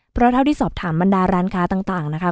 เพราะเท่าที่สอบถามบรรดาร้านค้าต่างนะคะ